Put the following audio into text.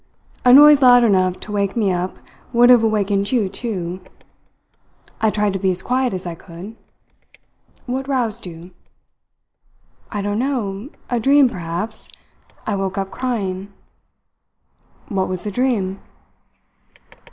A noise loud enough to wake me up would have awakened you, too. I tried to be as quiet as I could. What roused you?" "I don't know a dream, perhaps. I woke up crying." "What was the dream?"